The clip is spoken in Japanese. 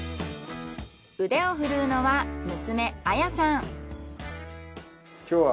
腕をふるうのは娘亜也さん。